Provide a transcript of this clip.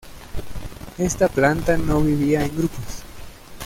Esta planta no vivía en grupos.